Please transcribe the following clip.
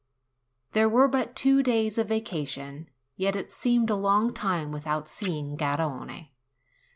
THERE were but two days of vacation, yet it seemed a long time without seeing Garrone.